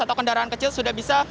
atau kendaraan kecil sudah bisa